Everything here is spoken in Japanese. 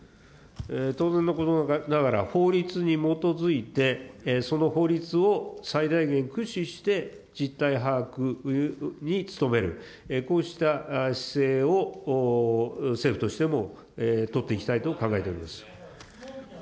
当然のことながら、法律に基づいて、その法律を最大限駆使して実態把握に努める、こうした姿勢を政府としても取っていきたいと考えております。